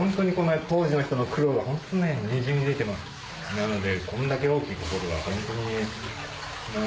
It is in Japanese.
なので。